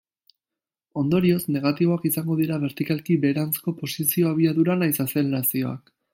Ondorioz, negatiboak izango dira bertikalki beheranzko posizio abiadura nahiz azelerazioak.